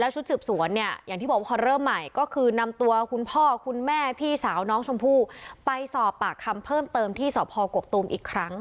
ชุดสืบสวนเนี่ยอย่างที่บอกว่าพอเริ่มใหม่ก็คือนำตัวคุณพ่อคุณแม่พี่สาวน้องชมพู่ไปสอบปากคำเพิ่มเติมที่สพกกตูมอีกครั้ง